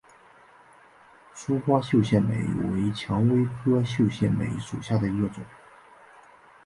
疏花绣线梅为蔷薇科绣线梅属下的一个种。